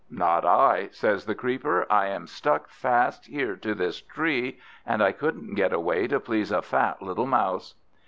"Not I," says the Creeper; "I am stuck fast here to this tree, and I couldn't get away to please a fat little Mouse."